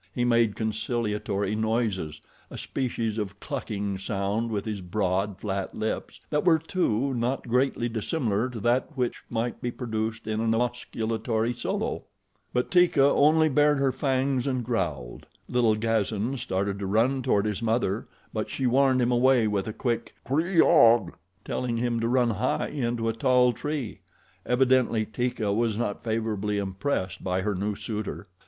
He made conciliatory noises a species of clucking sound with his broad, flat lips that were, too, not greatly dissimilar to that which might be produced in an osculatory solo. But Teeka only bared her fangs and growled. Little Gazan started to run toward his mother, but she warned him away with a quick "Kreeg ah!" telling him to run high into a tall tree. Evidently Teeka was not favorably impressed by her new suitor.